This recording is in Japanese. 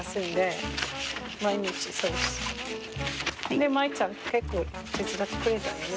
でマエちゃん結構手伝ってくれたんよね